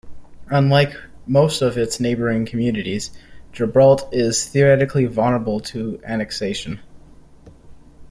Unlike most of its neighboring communities, Gilbert is theoretically vulnerable to annexation.